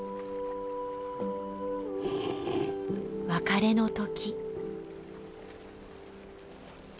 別れの時。